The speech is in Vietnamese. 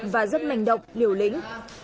và rất mạnh động liều lính